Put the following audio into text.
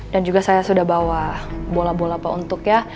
dan juga saya sudah bawa bola bola apa untuk ya